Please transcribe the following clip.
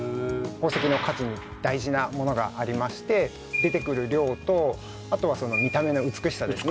宝石の価値に大事なものがありまして出てくる量とあとはその見た目の美しさですね